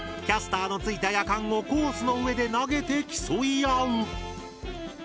キャスターのついたヤカンをコースの上で投げて競い合う！